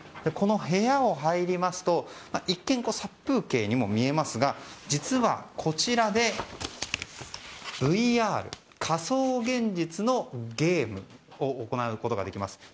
この部屋を入りますと一見、殺風景にも見えますが実はこちらでＶＲ・仮想現実のゲームを行うことができます。